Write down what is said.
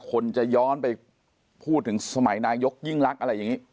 คนจะย้อนไปพูดถึงสมัยนายกยิ่งรักอะไรอย่างนี้